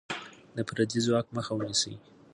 د پردی ځواک مخه ونیسه.